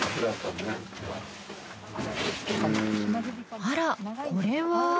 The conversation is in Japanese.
あらこれは。